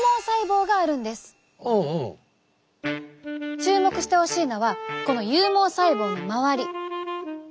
注目してほしいのはこの有毛細胞の周り。